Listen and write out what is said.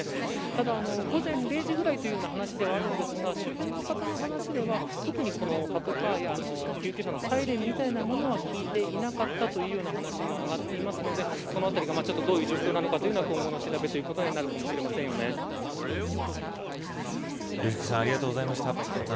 ただ午前０時ぐらいという話ではあるんですが周辺の方の話では特にパトカーや救急車のサイレンみたいなものは聞いていなかったという話が上っていますのでそのあたり、どういう状況なのか今後の調べということにありがとうございました。